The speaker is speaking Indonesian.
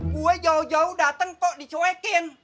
gue jauh jauh datang kok dicuekin